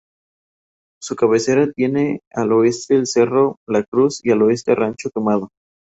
Su cabecera tiene al este el Cerro la Cruz y al oeste Rancho Quemado.